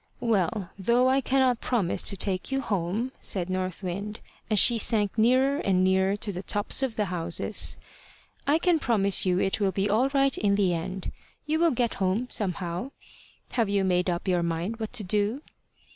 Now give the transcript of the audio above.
"Well, though I cannot promise to take you home," said North Wind, as she sank nearer and nearer to the tops of the houses, "I can promise you it will be all right in the end. You will get home somehow. Have you made up your mind what to do?"